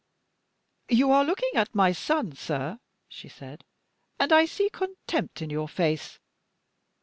"You are looking at my son, sir," she said, "and I see contempt in your face.